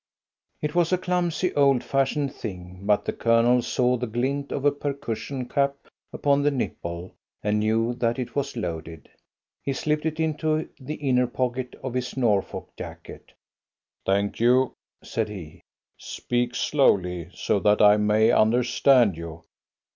It was a clumsy, old fashioned thing, but the Colonel saw the glint of a percussion cap upon the nipple, and knew that it was loaded. He slipped it into the inner pocket of his Norfolk jacket. "Thank you," said he; "speak slowly, so that I may understand you."